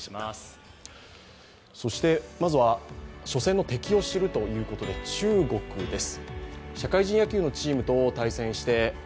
まずは、初戦の敵を知るということで中国です。